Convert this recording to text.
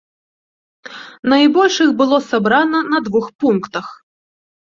Найбольш іх было сабрана на двух пунктах.